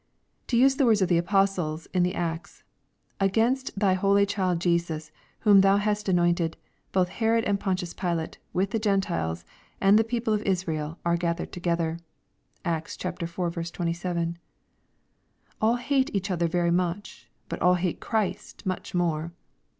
To use the words of the apostles in the Acts :" Against thy holy child Jesus, whom thou hast anointed, both Herod and Pontius Pilate, with the Gentiles, and the people of Israel, are gathered together." (Acts iv. 27.) All hate each other very much, but all hate Christ much more.